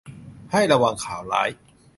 ให้ระวังข่าวร้าย